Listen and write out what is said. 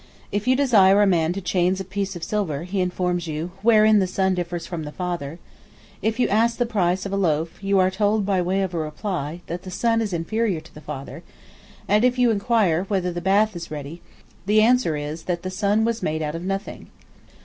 If you desire a man to change a piece of silver, he informs you, wherein the Son differs from the Father; if you ask the price of a loaf, you are told by way of reply, that the Son is inferior to the Father; and if you inquire, whether the bath is ready, the answer is, that the Son was made out of nothing."